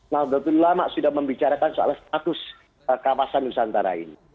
nahdlatul ulama sudah membicarakan soal status kawasan nusantara ini